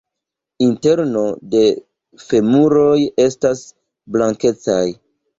Interno de femuroj estas blankecaj.